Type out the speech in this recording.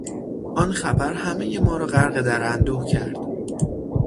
آن خبر همهی ما را غرق در اندوه کرد.